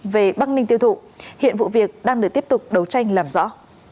về bắc ninh tiêu thụ hiện vụ việc đang được tiếp tục đấu tranh làm rõ